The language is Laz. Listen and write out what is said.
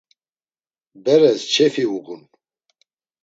Beres çefi uğun.